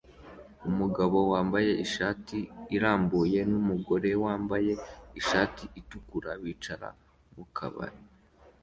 Umugabo wambaye ishati irambuye numugore wambaye ishati itukura bicara mukabari